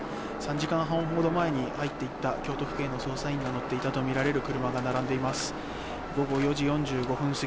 ３時間半ほど前に入っていった京都府警の捜査員が乗っていたとみられる車が並んでいます。